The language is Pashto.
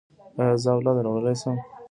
ایا زه اولاد راوړلی شم؟